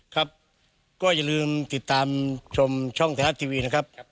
ครับก็อย่าลืมติดตามชมช่องไทยรัฐทีวีนะครับ